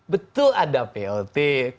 betul ada plt